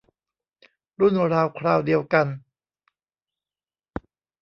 รุ่นราวคราวเดียวกัน